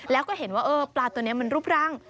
แล้วก็เห็นว่าเออปลาตัวนี้มันรูปร่าง